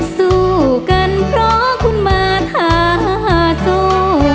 สู้กันเพราะคุณมาทาสู้